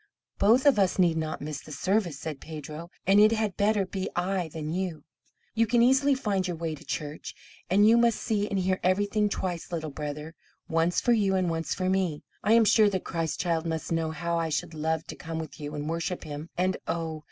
"Both of us need not miss the service," said Pedro, "and it had better be I than you. You can easily find your way to church; and you must see and hear everything twice, Little Brother once for you and once for me. I am sure the Christ Child must know how I should love to come with you and worship Him; and oh!